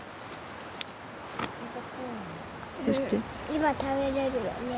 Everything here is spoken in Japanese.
今食べれるよね。